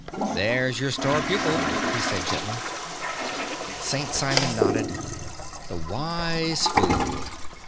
"There's your star pupil," he said gently. St. Simon nodded. "The wise fool.